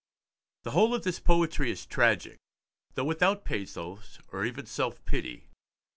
The whole of this poetry is tragic, though without pathos or even self pity.